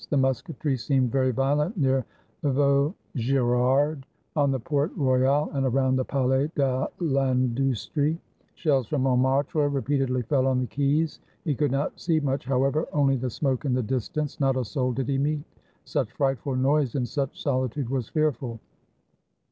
The musketry seemed very violent near Vau girard on the Pont Royal and around the Palais de ITndustrie. Shells from Montmartre repeatedly fell on the quays. He could not see much, however, only the smoke in the distance. Not a soul did he meet. Such frightful noise in such solitude was fearful.